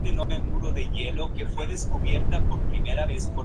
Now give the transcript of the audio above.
Los padres de Geza Vermes eran judíos húngaros.